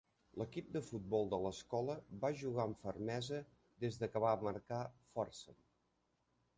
L'equip de futbol de l'escola va jugar amb fermesa des que va marcar Fordson.